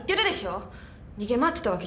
逃げ回ってたわけじゃないわよ。